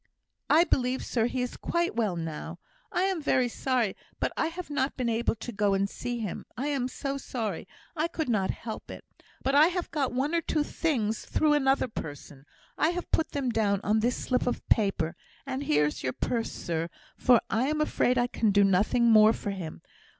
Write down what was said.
"I believe, sir, he is quite well now. I am very sorry, but I have not been able to go and see him. I am so sorry I could not help it. But I have got one or two things through another person. I have put them down on this slip of paper; and here is your purse, sir, for I am afraid I can do nothing more for him.